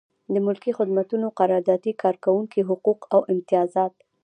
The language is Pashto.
د ملکي خدمتونو قراردادي کارکوونکي حقوق او امتیازات.